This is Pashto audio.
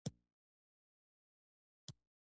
زبېښونکي سیاسي بنسټونه که هر څومره غیر عادلانه هم وي.